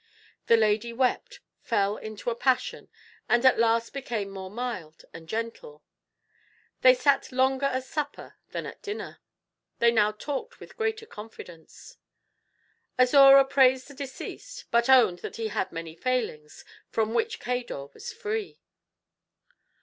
The lady wept, fell into a passion, and at last became more mild and gentle. They sat longer at supper than at dinner. They now talked with greater confidence. Azora praised the deceased; but owned that he had many failings from which Cador was free.